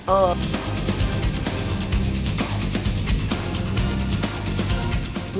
เออ